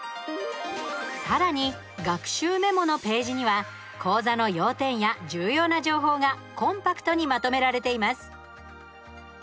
さらに、学習メモのページには講座の要点や重要な情報がコンパクトにまとめられています。